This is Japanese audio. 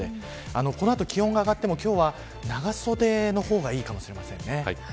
この後気温が上がっても今日は長袖の方がいいかもしれませんね。